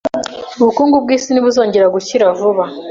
Ubukungu bwisi ntibuzongera gukira vuba